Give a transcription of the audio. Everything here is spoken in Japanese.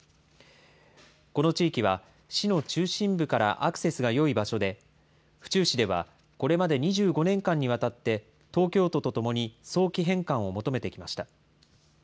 この地域は、市の中心部からアクセスがよい場所で、府中市ではこれまで２５年間にわたって東京都と共に早期返還を求めてきました。